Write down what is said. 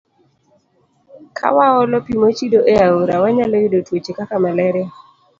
Ka waolo pi mochido e aore, wanyalo yudo tuoche kaka malaria.